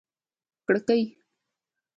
کړکۍ